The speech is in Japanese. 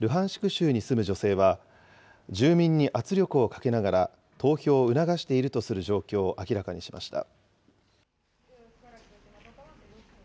州に住む女性は、住民に圧力をかけながら投票を促しているとする状況を明らかにしました。